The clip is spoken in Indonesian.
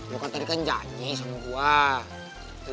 lu kan tadi kan janji sama gue